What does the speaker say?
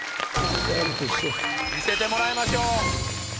見せてもらいましょう。